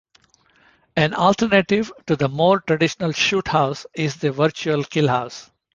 An alternative to the more traditional shoot house is the a virtual kill house.